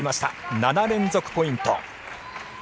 ７連続ポイント。